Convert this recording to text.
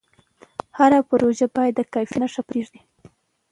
هر پروژه باید د کیفیت نښه پرېږدي.